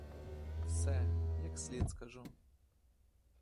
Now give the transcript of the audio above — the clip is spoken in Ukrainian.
Все, як слід скажу.